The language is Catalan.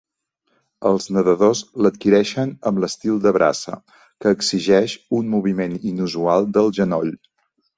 Els nedadors l'adquireixen amb l"estil de braça, que exigeix un moviment inusual del genoll.